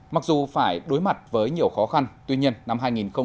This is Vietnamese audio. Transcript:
mặc dù phải đối mặt với nhiều khó khăn tuy nhiên năm hai nghìn hai mươi ba